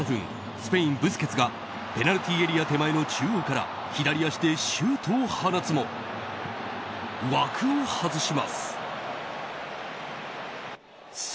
スペイン、ブスケツがペナルティーエリア手前の中央から左足でシュートを放つも枠を外します。